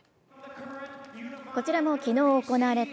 こちらも昨日追われた